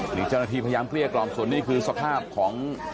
หรือเจ้าหน้าที่พยายามเกลี้ยกล่อมส่วนนี้คือสภาพของ